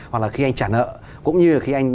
hoặc là khi anh trả nợ cũng như là khi anh